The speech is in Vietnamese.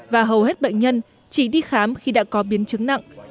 và hầu hết bệnh nhân chỉ đi khám khi đã có biến chứng nặng